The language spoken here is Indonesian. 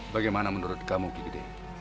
bagaimana menurut kamu gigi d